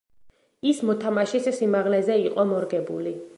ის მოთამაშის სიმაღლეზე იყო მორგებული.